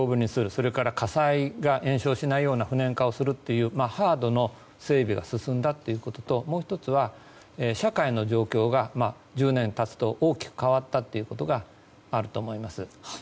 それから火災が延焼しないような不燃化をするというようなハードの整備が進んだということと、もう１つは社会の状況が１０年経つと大きく変わったということがあると思います。